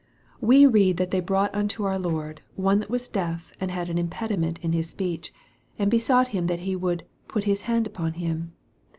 We read that they brought unto our Lord " one that was deaf and had an impediment in his speech," and besought Him that He would " put His hand upon him."